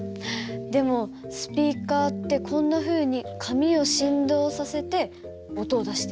でもスピーカーってこんなふうに紙を振動させて音を出しているんだね。